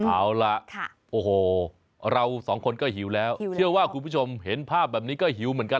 เอาล่ะโอ้โหเราสองคนก็หิวแล้วเชื่อว่าคุณผู้ชมเห็นภาพแบบนี้ก็หิวเหมือนกัน